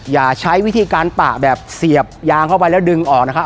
อย่าใช้วิธีการปะแบบเสียบยางเข้าไปแล้วดึงออกนะครับ